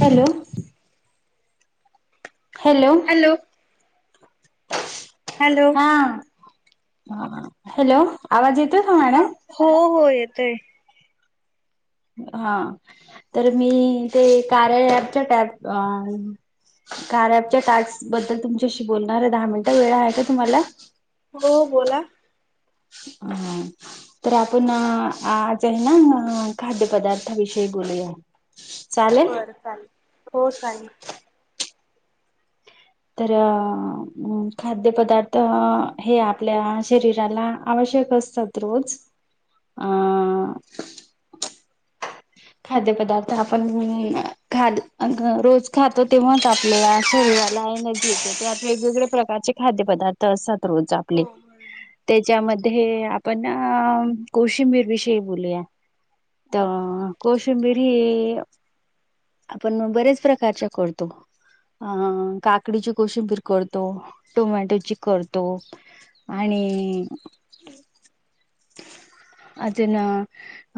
Hello. Hello. Hello. Hello. हा, hello. आवाज येतोय का मॅडम? हो.. हो. येतोय. हा, तर मी ते कार्य ऍपच्या टॅप आ कार्य ऍपच्या टास्क बद्दल तुमच्याशी बोलणार आहे दहा मिनिटं, वेळ आहे का तुम्हाला? हो, बोला. आ. तर आपण आज आहे ना, खाद्य पदार्था विषयी बोलूया. चालेल बरं चालेल. हो चालेल. तर खाद्यपदार्थ हे आपल्या शरीराला आवश्यक असतात. रोज आ खाद्यपदार्थ आपण म्ह खाद रोज खातो तेव्हांच आपल्याला शरिरात [unintelligible] येते. त्यात वेगवेगळ्या प्रकारचे खाद्यपदार्थ असात रोज हो आपले. हो त्याच्यामध्ये हे आपण ना कोशिंबीर विषयी बोलूया, तर कोशिंबीरी, आपण बरेच प्रकारच्या करतो. अ काकडीची कोशंबीर करतो, टोमॅटोची करतो. आणि अजून अ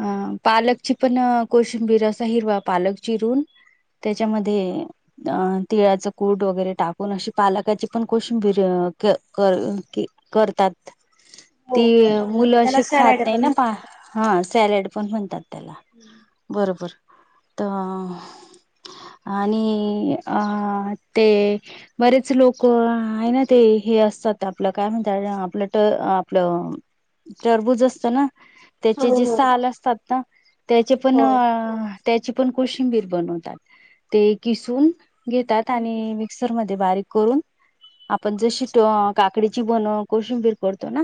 अ पालकची पण कोशिंबीर, असा हिरवा पालक चिरूनं त्याच्यामध्ये अ तिळाच कूट वगैरे टाकून, अशी पालकाची पण कोशिंबिरी क क के करतात. ती बरोबर बरोबर मुलं त्याला अशी खात सॅलड नाही पण ना पा म्हणतात. हा सॅलेड पण म्हणतात त्याला. बरोबर. त आणि अ ते बरेच लोक आहे ना ते हे असतात आपलं काय म्हणतात आपलं ट आपलं टरबूज असत ना, हो त्याचे हो जे साल असतात ना, त्याचे पण हो. त्याची पण कोशिंबीर बनवतात, ते किसून घेतात आणि मिक्सर मध्ये बारीक करून, आपण जे शीटवा, काक डीची बनव कोशिंबीर करतो ना,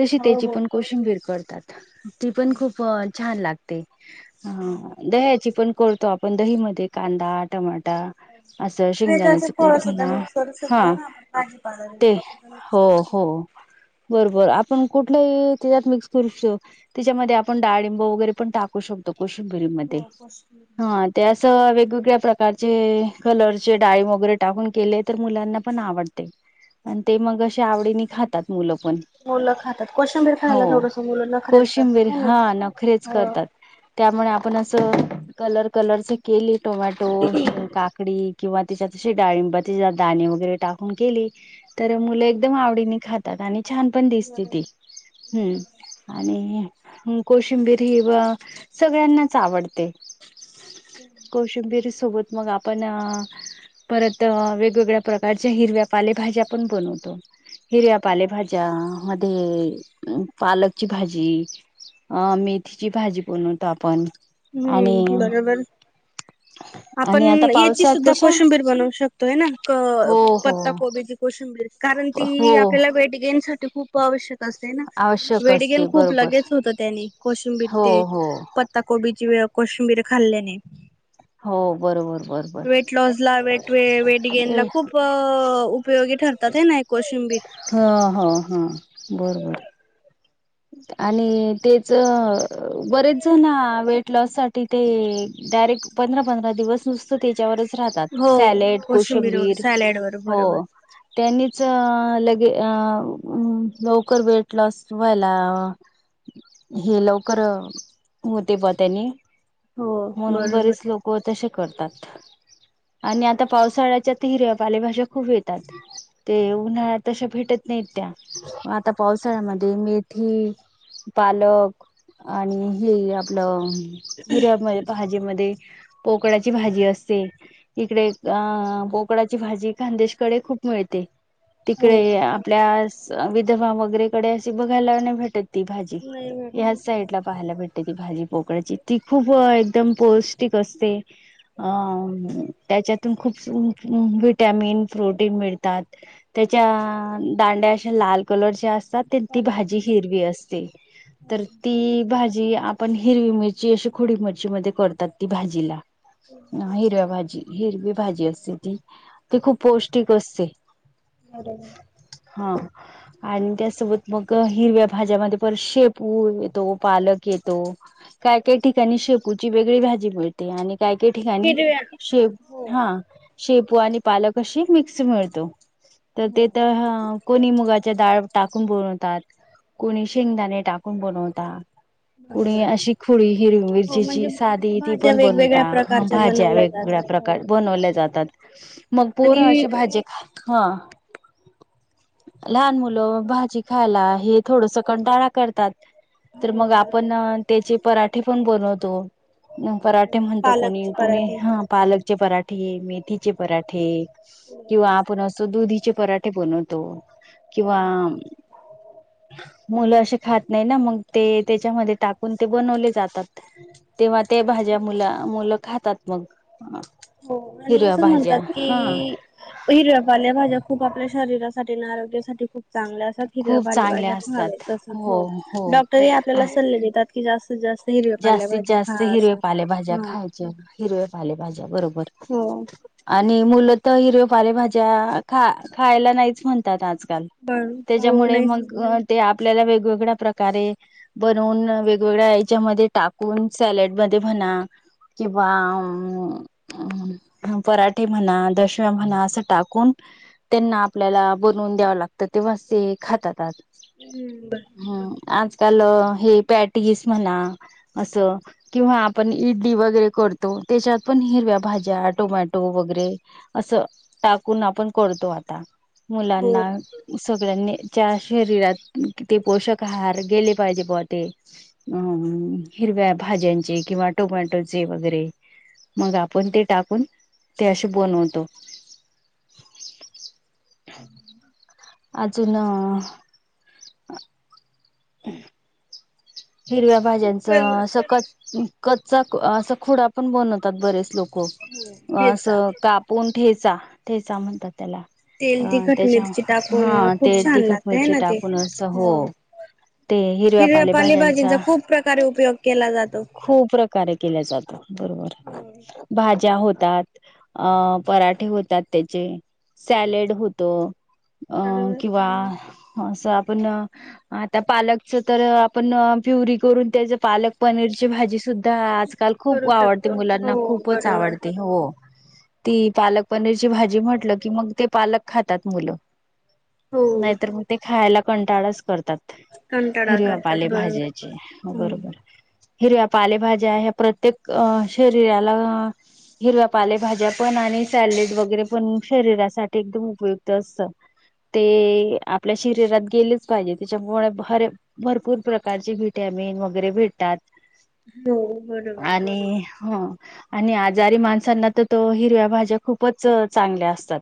तशी हो हो त्याची हो. पण कोशिंबीर करतात. ती पण खूप अ छान लागते. हा दह्याची पण करतो आपण दहीमध्ये कांदा, टमाटा, असं वेगळ्याचे शेंगदाण्याचं फळ कूट सुद्धा म्हणा, मिक्स करू हा शकतो ना आपण भाजीपाला ते वगैरे सुद्धा मिक्स हो करू हो शकतो. बरोबर आपण कुठल्याही त्याच्यात मिक्स करू श त्याच्यामध्ये आपण डाळिंब वगैरे पण टाकू शकतो कोशिंबीरीमध्ये, हो कोशिंबीर हा त्या असं वेगवेगळ्या प्रकारचे कलरचे डाळी वगैरे टाकून केले तर मुलांना पण आवडते. आणि ते मग अशे आवडीने खातात मुलं पण. मुलं खातात कोशिंबीर हो खायला थोडस मुलं नखरेच कोशिंबीर करतात ह ना. हा नखरेच हो करतात. त्यामुळे आपण असं कलर कलर च केली टोमॅटो, काकडी, किंवा तिच्या तशी डाळिंबाची दाणे वगैरे टाकून केली, तर मुलं एकदम आवडीने खात तात, आणि छान पण दिसते बरोबर. ती, हम्म आणि कोशिंबीरी व सगळ्यांनाच आवडते. हम्म कोशिंबिरी सोबत मग आपण अ परत वेगवेगळ्या प्रकारच्या हिरव्या पालेभज्या पण बनवतो. हिरव्या पालेभाज्या मध्ये पालकची भाजी, अ मेथीची भाजी, बनवतो आपण आणि हम्म बरोबर आपण आणि आता याची पावसात सुद्धा कशा कोशंबीर बनवू शकतो हेना हो हो पत्ता कोबी कोशिंबीर कारण हो ती आपल्याला वेट गेनसाठी खूप आवश्यक असते ना, आवश्यक वेटगेन असते खूप बरोबर लगेच होत त्यानी कोशंबीर हो ते हो प कोबीची वे कोशिंबीर खाल्याने. हो बरोबर बरोबर वेट लॉस ला, वेट वे वेट गेन हो ला खूप अ उपयोगी ठरतात हे ना कोशिंबीर. हा ह हां बर बर आणि तेच बरेच जन वेट लॉस साठी ते डायरेक्ट पंधरा पंधरा दिवस नुसत त्याच्यावर राहतात, हो सॉलिड, कोशिंबीर वर कोशंबीर सॅलड वर हो बरोबर त्यांनीच अ लगे अ लवकर वेट लॉस वला, हे लवकर होते बा त्यानी हो म्हणून बरोबर बरेच लोक हो तशे करतात, आणि आता पावसाळ्याच्यात हिरव्या पालेभाज्या खूप येतात, ते उन्हाळ्यात तशा भेटत नाहीत त्या आता पावसाळ्यामध्ये ते मेथी, पालक आणि हे आपलं हिरव्या म भाजी मध्ये पोकळाची भाजी असते, इकडे अ पोकळ्याची भाजी खानदेशकडे खूप मिळते. हो तिकडे आपल्या विधवा वगैरेकडे अशी बघायला नाही भेटत, ती भाजी, नाही ह्याच भेटत साईड ला पाहायला भेटल. ती भाजी पोकळयाची ती खूप एकदम पौष्टिक असते, अ त्याच्यातून खूप विटॅमिन प्रोटीन मिळतात त्याच्या दांड्या अश्या लाल कलरच्या असतात ते ती भाजी हिरवी असते तर ती भाजी आपण हिरवी मिरची अशी खोडीमिरची मध्ये करतात ती भाजीला हिरव्या भाजी हिरवी भाजी असते ती ती खूप पौष्टिक असते. बरं बरं हा आणि त्यासोबत मग हिरव्या भाज्यामध्ये पर शेपू येतो पालक येतो काही काही ठिकाणी शेपूची वेगळी भाजी मिळते आणि काही काही ठिकाणी हिरव्या शेप हा शेपू आणि पालक अशी मिक्स मिळतो तर ते कोणी मुगाचे डाळ टाकून बनवतात कोणी शेंगदाणे टाकून बनवता कुणी अशी खोळी हिरव हो मिरचीची म्हणजे साधी ती भाज्या पण वेगवेगळ्या बनवता प्रकारच्या भाज्या बनवल्या वेग वेगळ्या जातात प्रकार बनवल्या जातात मग पोरं आणि अशी भाजी ख हा लहान मुलं भाजी खायला हे थोडस कंटाळा करतात तर हो मग बरोबर आपण त्याचे पराठे पण बनवतो पराठे म्हणतो कोणी पालकचे कोणी पराठे हा पालकचे पराठे मेंथीचे पराठे किंवा आपण असो दुधीचे पराठे बनव तो किंवा मुलं असे खात नाही ना मग ते त्याच्यामध्ये टाकून ते बनवले जातात तेव्हा ते भाज्या मुल मुलं खातात मग हो आणि हिरवा असं म्हणतात भाज्या की हा हिरव्या पाल्या भाज्या खूप आपल्या शरीरासाठी आणि आरोग्यासाठी खूप चांगलं असा हिर खूप भालीवाल्या चांगल्या असतात घालायचं तस हो हो तरी आपल्याला सल्ले देतात की जास्त जास्त हिरव्या जास्तीत पालेभाजी जास्त खा हिरव्या असं पालेभाज्या हा खाय हिरव्या पालेभाज्या बरोबर हो आणि मुलं तर हिरव्या पालेभाज्या खा खायला नाहीच म्हणतात आजकाल बर हो तेज्यामुळे नाही मग ते आपल्याला वेगवेगळ्या प्रकारे बनवून वेगवेगळ्या तेच्यामध्ये टाकून सॅलड मध्ये म्हणा किंवा पराठे म्हणा दंश तो म्हणा अस टाकून त्यांना आपल्याला बनवून द्यावं लागत तेव्हा ते खातातात हम्म बर हम् आजकाल हे पॅटेजेस म्हणा असं किंवा आपण इडली वगैरे करतो त्याच्यात पण हिरव्या भाज्या टोमॅटो वगैरे असं टाकून आपण करतो आता हो मुलांना सगळ्यांनीच्या शरीरात ते पोषक आहार गेले पाहिजे ते अ हिरव्या भाज्यांचे किंवा टोमॅटोचे वगैरे मग आपण ते टाकून ते असे बनवतो अजून हिरव्या भाज्यांच सखत कच्चा असं खुडा पण बनवतात बरेच लोक अस हेचा काप पोण ठेचा ठेचा म्हणतात त्याला तेल अ- तिखट त्याच्या मिरची टाकून हा खूप ते छान तिखट, लागतय मिरची ना ते टाकून असं हो. ते हिरव्या, पालेभज्यां. तिचा खूप प्रकारे उपयोग केला जातो. खूप प्रकार के जातो बरोबर हो हे. ज्या होतात अ - पराठे होतात त्याचे सॅलेड होतो. अ- बरोबर किंवा असा. पण आता पालकचं तर आपण प्युरी करून त्याचं पालक पनीर ची भाजी सुद्धा आजकाल, खूप करू आवडते शकतो हो मुलांना, खूपच बरोबर आवडते हो. ती पालक पनीरची भाजी म्हटलं की मग ते पालक खातात मुलं. हो नाहीतर मग ते खायाला कंटाळाचं करतात. कंटाळा हिरव्या, करतात बरोबर पालेभाज्याचे हं. बरोबर. हिरव्या, पालेभाज्या ह्या प्रत्येक अ- शरीराला हिरव्या, पालेभाज्या, पण आणि सॅलेड, वगैरे पण शरीरासाठी एकदम उपयुक्त असतं. ते आपल्या शरीरात गेलेच पाहिजे त्याच्या पोळ्या भारी. भरपूर प्रकारचे विटॅमिन, वगैरे भेटतात. हो बरोबर आणि हं. आणि आजारी माणसांना तर तो हिरव्या भाज्या खूपच चांगल्या असतात.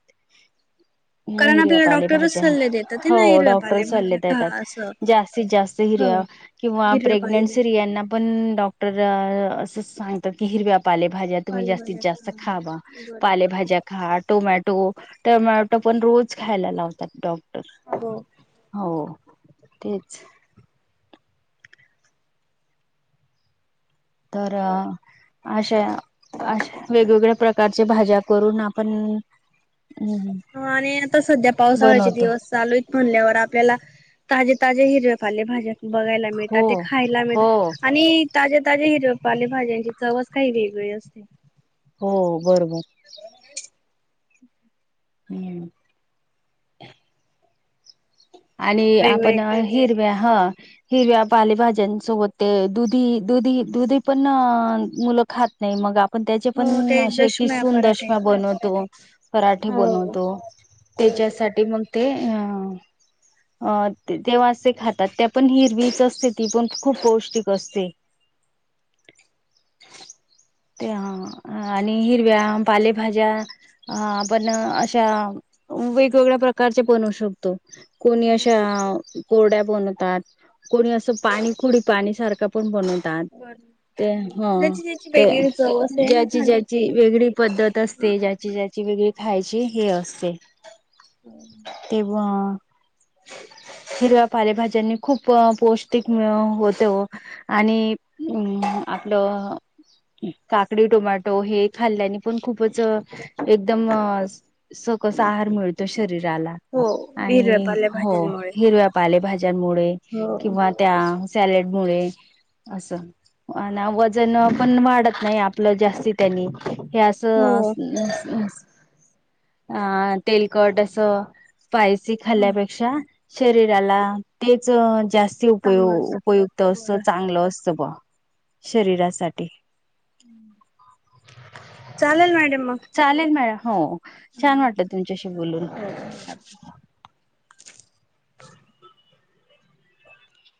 नाही कारण हिरव्या आपल्याला डॉक्टरच पालेभाज्या सल्ले देतात आहे ना हो हिरव्या डॉक्टर सल्ले पालेभाज्या खा देतात. असं जास्तीतं जास्तं हो हिरव्या किंवा हिरव्या पाले प्रेग्नेंटस्त्रीयांना पण डॉक्टर असंच सांगतात कि हिरव्या पालेभाज्या, तुम्ही जास्तीत पालेभाज्या जास्तं खा खावा बरोबर पालेभाज्या खा टोमॅटो- टमॅटो पण रोज खायला लावतात डॉक्टर. हो. हो तेचं. तर अं. अश्या अशा वेगवेगळ्या प्रकारचे भाज्या, करून आपण हम् हम. आणि आता सध्या पावसाळ्याचे दिवस चालू आहेत. म्हणाल्यावर आपल्याला ताजे - ताजे हिरव्या पालेभाज्या. बघायला हो मिळतात ते खायला हो मिळतात. आणि ताज्या - ताज्या हिरव्या पाले भाज्यांची चवचं काही वेगळी असते. हो बरोबर. हम्म, आणि वेगवेगळे आपण अ- हिरव्या हं. हिरव्या पालेभाज्यांसोबत ते दुधी - दुधी - दुधी पण मुलं खातं. नाही मग आपण त्याचे हो पण ते असे दशम्या किसून पराठे दशम्या बनवतो. पराठे, हो बनवतो बर त्याच्यासाठी मग ते अं अ- ते तेव्हा असे खातात त्या पण हिरवीच असते ती पण खूप पौष्टिक असते. ते हा आणि हिरव्या, पालेभाज्या हा पण अशा वेगवेगळ्या प्रकारचे बनवू शकतो. कोणी अशा कोरड्या बनवतात. कोणी असं पाणी खुडी पाणी सारखं पण बनवतं तात बर ते हं त्याची त्याची ते वेगळी चव असते ना ज्याची- खाण्याची ज्याची वेगळी पद्धत असते. ते ज्याची - ज्याची वेगळी खायाची हे असते. हम. वा! हिरव्या पालेभाज्यांनी, खूप अ पौष्टिक मि होते ओ आणि अ आपलं काकडी, टोमॅटो हे खाल्ल्यांनी पण खूपचं एकदम असं सकस आहार, मिळतो शरीराला. हो. हिरव्या आणि हो पालेभाज्यांमुळे हिरव्या पाले भाज्यांमुळे हो किंवा त्या सॅलेड मुळे असं, अनं वजनं पण वाढत नाही आपलं जास्ती त्यानी. हे असं हो अस् अ तेलकट असं स्पायसी चांगलंच खाल्ल्यापेक्षा शरीराला तेचं जास्त उपय उपयुक्त असतं, बरं चांगलं असतं ब शरीरासाठी. चालेल मॅडम मग. चालेल मॅडम, हो छान हो वाटलं तुमच्याशी बोलून.